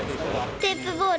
テープボール。